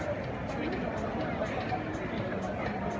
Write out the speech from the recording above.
มันเป็นสิ่งที่จะให้ทุกคนรู้สึกว่า